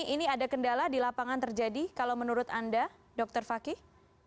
ini ada kendala di lapangan terjadi kalau menurut anda dr fakih